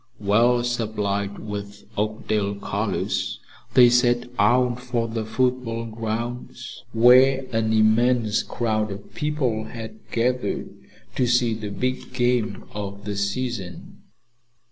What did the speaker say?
Well supplied with Oakdale colors, they set out for the football grounds, where an immense crowd of people had gathered to see the big game of the season.